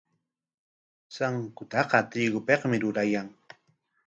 Sankutaqa trigopikmi rurayan.